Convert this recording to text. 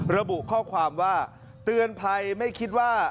ระบุข้อความว่าเตือนภัยไม่คิดว่า